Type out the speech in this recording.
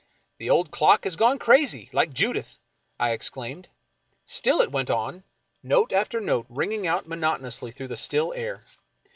The old clock has gone crazy, like Judith," I exclaimed. Still it went on, note after note ringing out monotonously through the still air.